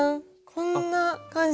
こんな感じの。